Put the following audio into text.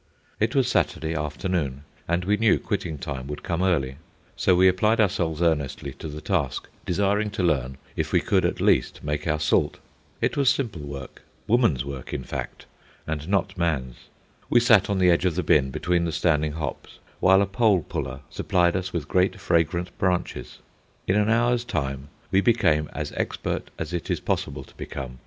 It was Saturday afternoon, and we knew quitting time would come early; so we applied ourselves earnestly to the task, desiring to learn if we could at least make our salt. It was simple work, woman's work, in fact, and not man's. We sat on the edge of the bin, between the standing hops, while a pole puller supplied us with great fragrant branches. In an hour's time we became as expert as it is possible to become.